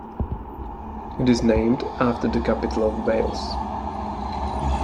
It is named after the capital of Wales.